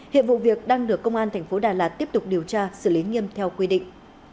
hiện vụ việc đang được công an thành phố đà lạt tiếp tục điều tra xử lý nghiêm theo quy định